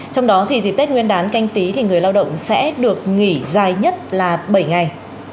trong đó thì dịp tết nguyên đán canh tí thì người lao động sẽ được nghỉ dài nhất là bảy ngày